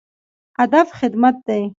هدف خدمت دی